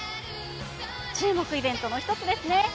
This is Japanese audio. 注目イベントの１つですね。